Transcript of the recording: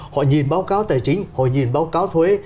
họ nhìn báo cáo tài chính họ nhìn báo cáo thuế